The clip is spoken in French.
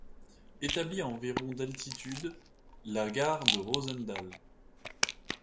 Établie à environ d'altitude, la gare de Rosendael.